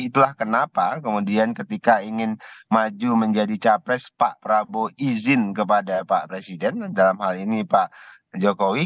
itulah kenapa kemudian ketika ingin maju menjadi capres pak prabowo izin kepada pak presiden dalam hal ini pak jokowi